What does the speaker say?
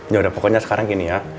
yaudah pokoknya sekarang gini ya